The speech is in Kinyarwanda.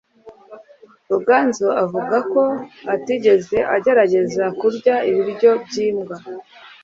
ruganzu avuga ko atigeze agerageza kurya ibiryo by'imbwa